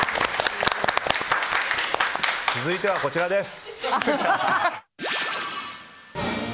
続いては、こちらです。